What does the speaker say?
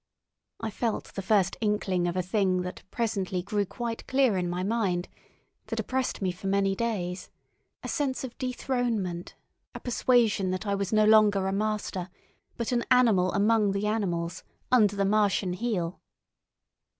I felt the first inkling of a thing that presently grew quite clear in my mind, that oppressed me for many days, a sense of dethronement, a persuasion that I was no longer a master, but an animal among the animals, under the Martian heel.